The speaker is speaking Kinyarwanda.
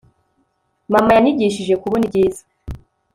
mama yanyigishije kubona ibyiza